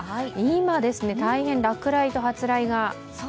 今、大変落雷と発雷が。